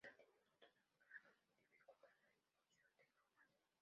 Tan diminutos granos dificultan la remoción de glumas.